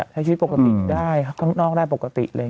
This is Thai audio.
ใช้ชีวิตปกติได้ข้างนอกได้ปกติเลย